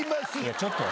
ちょっと。